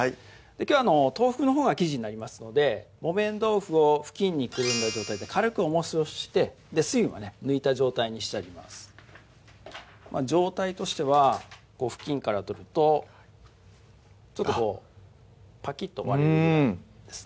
きょうは豆腐のほうが生地になりますので木綿豆腐を布巾に包んだ状態で軽く重石をして水分はね抜いた状態にしてあります状態としては布巾から取るとちょっとこうパキッと割れるぐらいですね